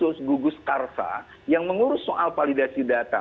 ada husus gugus karsa yang mengurus soal validasi data